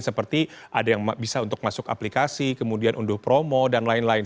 seperti ada yang bisa untuk masuk aplikasi kemudian unduh promo dan lain lain